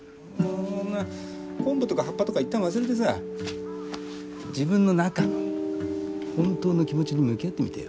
昆布とか葉っぱとか一旦忘れてさ自分の中の本当の気持ちに向き合ってみてよ。